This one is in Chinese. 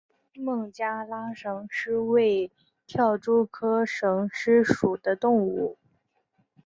孟加拉蝇狮为跳蛛科蝇狮属的动物。